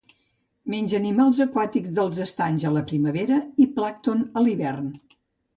Menja animals aquàtics dels estanys a la primavera i plàncton a l'hivern.